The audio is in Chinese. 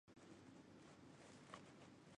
大蓝闪蝶的色彩是一种防卫机制。